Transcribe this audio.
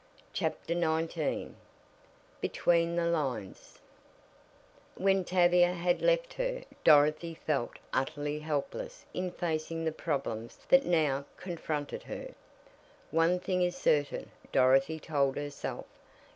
CHAPTER XIX BETWEEN THE LINES When Tavia had left her, Dorothy felt utterly helpless in facing the problems that now confronted her. "One thing is certain," Dorothy told herself.